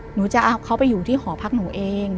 หนูจะเอาเขาไปอยู่ที่หอพักหนูเอง